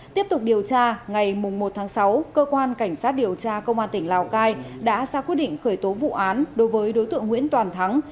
tiếp tục điều tra ngày một tháng sáu cơ quan cảnh sát điều tra công an tỉnh lào cai đã ra quyết định khởi tố vụ án đối với đối tượng nguyễn toàn thắng